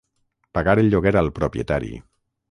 Pagar el lloguer al propietari.